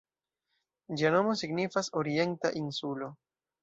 Ĝia nomo signifas "Orienta insulo".